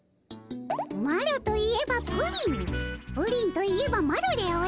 マロといえばプリンプリンといえばマロでおじゃる。